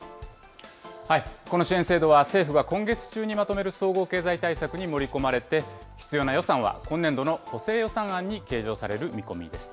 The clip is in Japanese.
この支援制度は政府が今月中にまとめる総合経済対策に盛り込まれて、必要な予算は今年度の補正予算案に計上される見込みです。